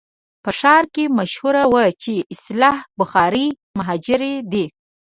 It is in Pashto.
په ښار کې مشهوره وه چې اصلاً بخارایي مهاجر دی.